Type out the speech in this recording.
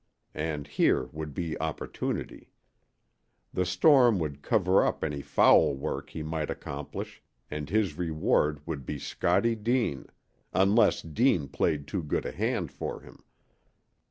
And here would be opportunity. The storm would cover up any foul work he might accomplish, and his reward would be Scottie Deane unless Deane played too good a hand for him.